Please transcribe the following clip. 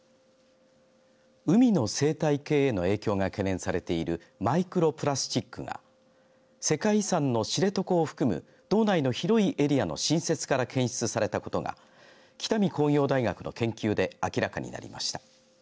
海の生態系への影響が懸念されているマイクロプラスチックが世界遺産の知床を含む道内の広いエリアの新雪から検出されたことが北見工業大学の研究で明らかになりました。